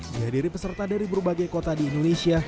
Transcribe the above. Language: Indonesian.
dihadiri peserta dari berbagai kota di indonesia